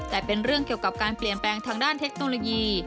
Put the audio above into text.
แต่เป็นเรื่องเกี่ยวกับการเปลี่ยนแปลงทางด้านเทคโนโลยี